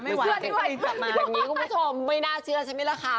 อันนี้คุณผู้ชมไม่น่าเชื่อใช่ไหมล่ะค้า